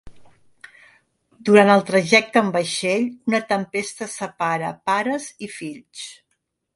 Durant el trajecte amb vaixell una tempesta separa pares i fills.